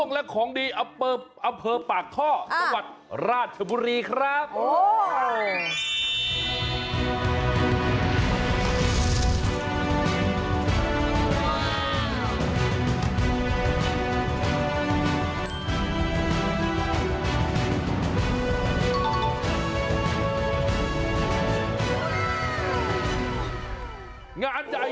งานใหญ่จริง